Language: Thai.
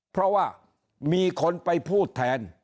เพราะว่ามีคนไปพูดแทน